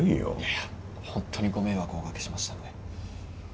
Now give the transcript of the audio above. いやホントにご迷惑をおかけしましたので。